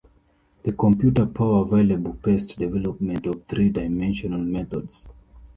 The computer power available paced development of three-dimensional methods.